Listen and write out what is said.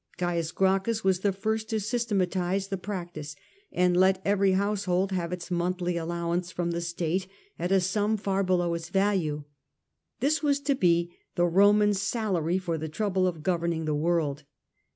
C. Gracchus was the first to systematize the prac tice and let every household have its monthly allowance from the state at a sum far below its value. This was to be the Roman's salary for the trouble of governing the world.